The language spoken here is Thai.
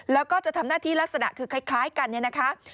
แล้วก็จะทำหน้าที่ลักษณะคือคล้ายกันเนี่ยนะคะ